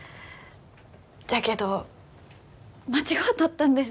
じゃけど間違うとったんです。